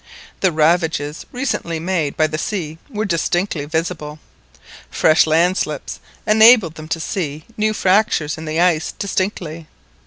The ravages recently made by the sea were distinctly visible. Fresh landslips enabled them to see new fractures in the ice distinctly.